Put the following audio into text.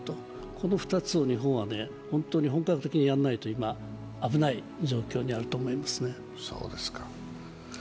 この２つを日本は本当に本格的にやらないとまずい状況だと思いますね。